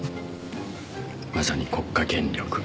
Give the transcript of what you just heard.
まさに国家権力。